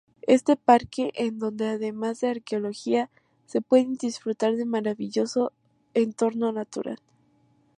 Este parque en donde además de arqueología, se puede disfrutar de maravilloso entorno natural.